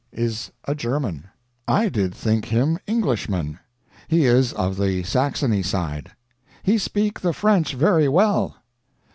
Is a German. I did think him Englishman. He is of the Saxony side. He speak the french very well.